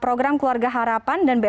program keluarga harapan dan blt desa